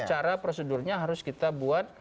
cara prosedurnya harus kita buat